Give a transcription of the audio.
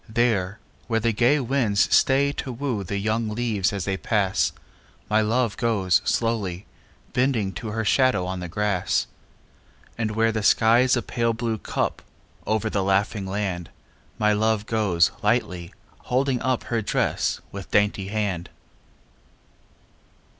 There, where the gay winds stay to woo The young leaves as they pass, My love goes slowly, bending to Her shadow on the grass; And where the skyâs a pale blue cup Over the laughing land, My love goes lightly, holding up Her dress with dainty hand.